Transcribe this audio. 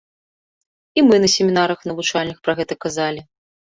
І мы на семінарах навучальных пра гэта казалі.